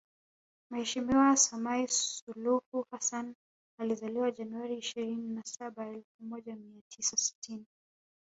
Mheshimiwa Samia Suluhu Hassan alizaliwa Januari ishirini na saba elfu moja mia tisa sitini